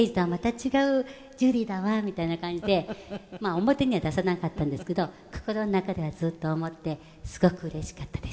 表には出さなかったんですけど心の中ではずっと思ってすごくうれしかったです。